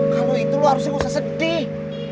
kalau itu lo harusnya gak usah sedih